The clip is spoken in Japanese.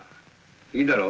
いいだろう。